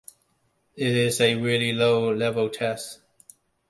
It is a very low-level test.